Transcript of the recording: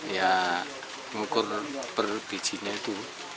ya ngukur per bijinya itu